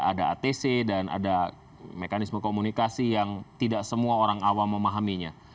ada atc dan ada mekanisme komunikasi yang tidak semua orang awam memahaminya